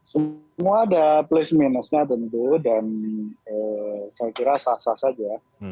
semua ada plus minusnya tentu dan saya kira sah sah saja